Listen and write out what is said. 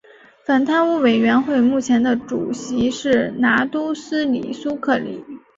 反贪污委员会目前的主席是拿督斯里苏克里。